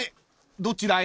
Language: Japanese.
どちらへ？］